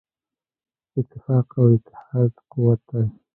اتفاق او اتحاد قوت دی.